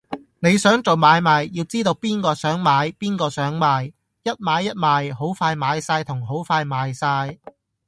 你想做買賣，要知邊個想買，邊個想賣，一買一賣，好快買哂同好快賣晒